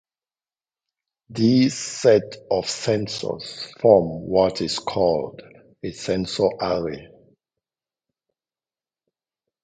These set of sensors forms what is called a sensor array.